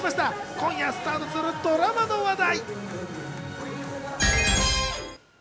今夜スタートするドラマの話題。